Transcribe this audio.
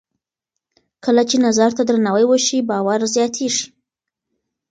کله چې نظر ته درناوی وشي، باور زیاتېږي.